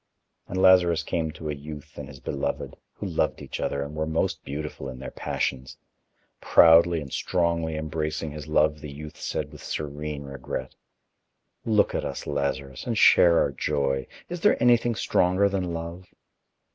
And Lazarus came to a youth and his beloved, who loved each other and were most beautiful in their passions. Proudly and strongly embracing his love, the youth said with serene regret: "Look at us, Lazarus, and share our joy. Is there anything stronger than love?"